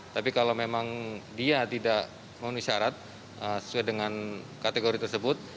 tapi kalau memang dia tidak memenuhi syarat sesuai dengan kategori tersebut